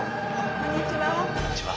こんにちは。